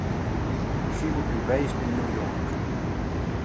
She would be based in New York.